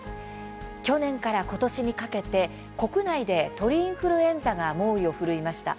去年から今年にかけて国内で鳥インフルエンザが猛威を振るいました。